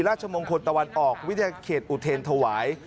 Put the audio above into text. ราชมงคลตะวันออกวิทยาเขตอุเทรนถวาย